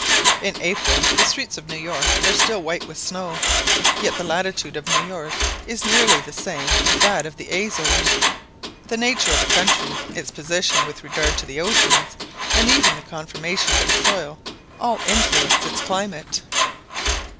In April the streets of New York are still white with snow, yet the latitude of New York is nearly the same as that of the Azores. The nature of a country, its position with regard to the oceans, and even the conformation of its soil, all influence its climate.